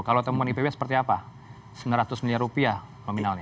kalau temuan ipw seperti apa sembilan ratus miliar rupiah nominalnya